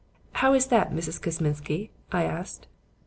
"'How is that, Mrs. Kosminsky?' I asked.